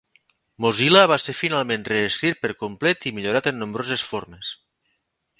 Mozilla va ser finalment reescrit per complet i millorat en nombroses formes.